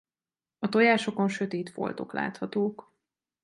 A tojásokon sötét foltok láthatók.